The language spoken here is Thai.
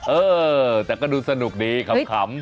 เออแต่ก็ดูสนุกดีขำ